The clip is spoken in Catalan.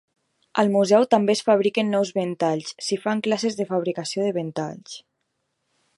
Al museu també es fabriquen nous ventalls s'hi fan classes de fabricació de ventalls.